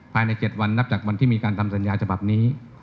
ภายใน๗วันนับจากวันที่มีการทำสัญญาฉบับนี้